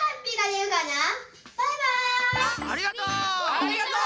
ありがとう！